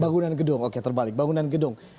bangunan gedung oke terbalik bangunan gedung